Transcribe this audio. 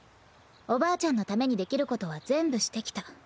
おばあちゃんのためにできることは全部してきた。